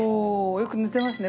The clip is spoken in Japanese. よく寝てますね